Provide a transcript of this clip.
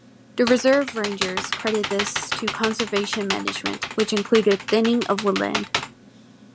The reserve rangers credit this to conservation management, which included thinning of woodland.